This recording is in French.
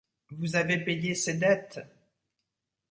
Vous avez payé ses dettes...